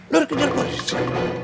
luar kejar polisi